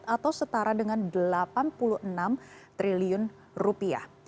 atau setara dengan delapan puluh enam triliun rupiah